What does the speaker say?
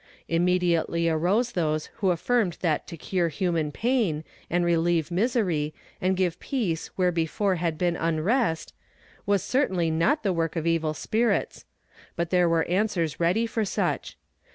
Immediately arose those who affirmed that to cure liuman pain, and relieve misery, and give peace where before had been unrest, was certainly not the work of evil spirits ; but there were answers ready for such.